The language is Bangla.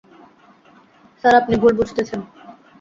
স্যার, আপনি ভুল বুঝতেছেন।